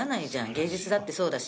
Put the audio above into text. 芸術だってそうだし」